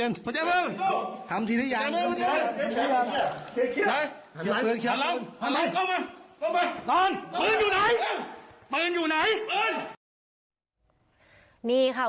สวัสดีครับ